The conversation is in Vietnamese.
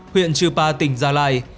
huyện trừ pa tỉnh gia lai